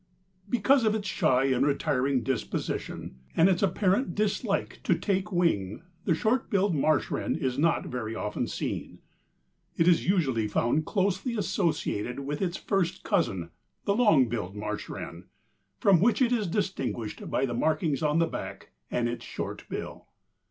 _) Because of its shy and retiring disposition and its apparent dislike to take wing the Short billed Marsh Wren is not very often seen. It is usually found closely associated with its first cousin, the long billed marsh wren, from which it is distinguished by the markings on the back and its short bill.